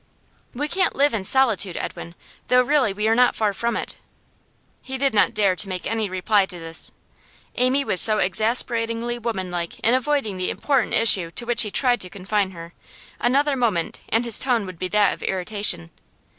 'We can't live in solitude, Edwin, though really we are not far from it.' He did not dare to make any reply to this. Amy was so exasperatingly womanlike in avoiding the important issue to which he tried to confine her; another moment, and his tone would be that of irritation.